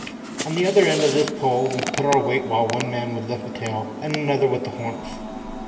On the other end of this pole we would put our weight while one man would lift with the tail and another with the horns.